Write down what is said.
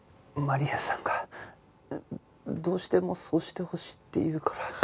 マリアさんがどうしてもそうしてほしいって言うから。